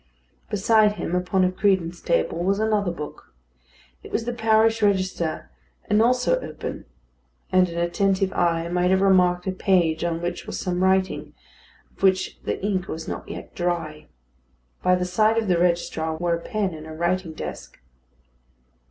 Beside him, upon a credence table, was another book. It was the parish register, and also open; and an attentive eye might have remarked a page on which was some writing, of which the ink was not yet dry. By the side of the register were a pen and a writing desk.